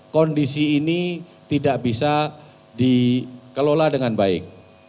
kondisi ini tidak bisa dikelola dengan baik